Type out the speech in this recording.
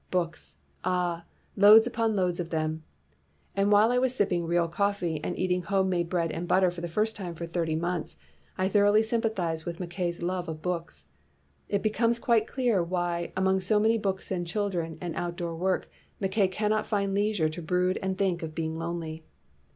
Books! ah, loads upon loads of them!' And while I was sipping real coffee, and eating home made bread and butter for the first time for thirty months, I thoroughly sympathized with Mackay 's love of books. It becomes quite clear why, among so many books and children and out door work, Mackay cannot find leisure to brood and think of being lonely.